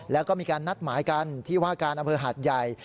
แล้วก็มีการนัดหมายกันที่ว่าการอำเภอหาดใหญ่